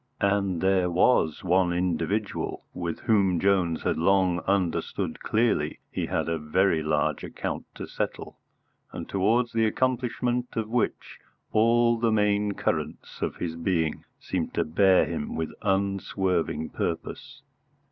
And there was one individual with whom Jones had long understood clearly he had a very large account to settle, and towards the accomplishment of which all the main currents of his being seemed to bear him with unswerving purpose.